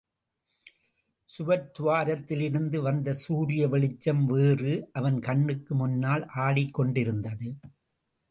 சுவர்த் துவாரத்திலிருந்து வந்த சூரிய வெளிச்சம்வேறு அவன் கண்ணுக்கு முன்னால் ஆடிக் கொண்டிருந்தது.